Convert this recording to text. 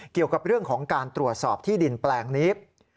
เกี่ยวกับเรื่องของการตรวจสอบที่ดินแปลงนี้